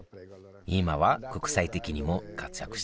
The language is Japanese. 今は国際的にも活躍しているよ